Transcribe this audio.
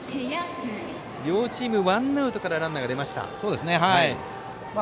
両チーム、ワンアウトからランナーが出ました。